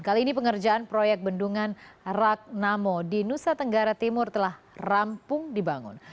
kali ini pengerjaan proyek bendungan ragnamo di nusa tenggara timur telah rampung dibangun